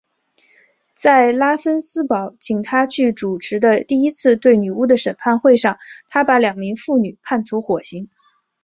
在拉芬斯堡请他去主持的第一次对女巫的审判会上他把两名妇女判处火刑。